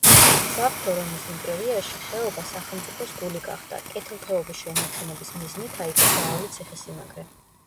საღვთო რომის იმპერიაში, ხეობა სახელმწიფოს გული გახდა, კეთილდღეობის შენარჩუნების მიზნით აიგო მრავალი ციხესიმაგრე.